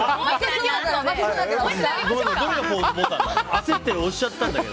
焦って押しちゃったんだけど。